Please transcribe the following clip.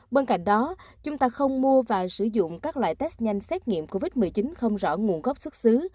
bên cạnh đó chúng ta không mua và sử dụng các loại test nhanh xét nghiệm covid một mươi chín không rõ nguồn gốc xuất xứ